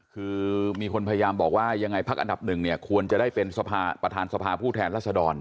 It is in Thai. คือมีคนพยายามบอกว่ายังไงพักอันดับหนึ่งเนี่ยควรจะได้เป็นสภาประธานสภาผู้แทนรัศดร